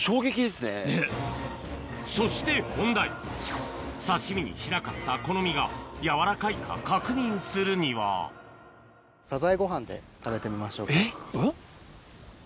そして本題刺し身にしなかったこの身が柔らかいか確認するにはで食べてみましょうか。